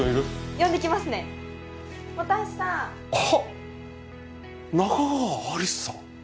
呼んできますね本橋さんあっ仲川有栖さん？